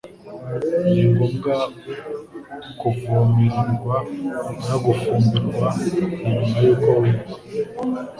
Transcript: ningombwa kuvomererwa no gufumbirwa na nyuma y'uko wera